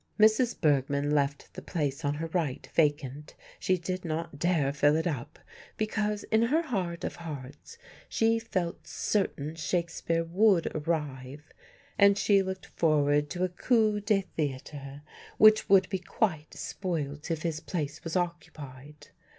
Mrs. Bergmann left the place on her right vacant; she did not dare fill it up, because in her heart of hearts she felt certain Shakespeare would arrive, and she looked forward to a coup de theatre, which would be quite spoilt if his place was occupied.